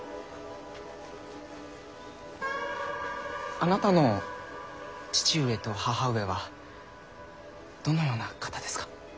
あなたの父上と母上はどのような方ですか？